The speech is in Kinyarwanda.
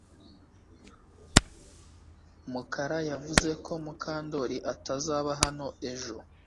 Mukara yavuze ko Mukandoli atazaba hano ejo